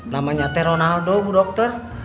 namanya t ronaldo bu dokter